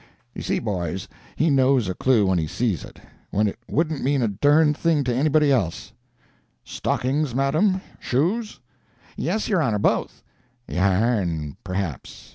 You see, boys, he knows a clue when he sees it, when it wouldn't mean a dern thing to anybody else. 'Stockings, madam? Shoes?' "'Yes, your Honor both.' "'Yarn, perhaps?